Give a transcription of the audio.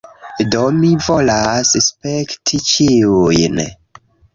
Do, mi volas spekti ĉiujn